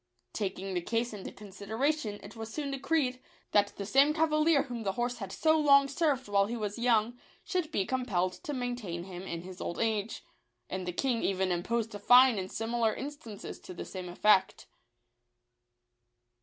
Taking the case into considera tion, it was soon decreed, that the same cavalier whom the horse had so long served while he was young, should be compelled to maintain him in his old age ; and the king even imposed a fine in similar instances to the same effect.